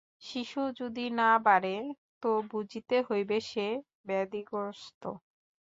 শিশু যদি না বাড়ে তো বুঝিতে হইবে সে ব্যাধিগ্রস্ত।